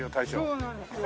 そうなんですよ。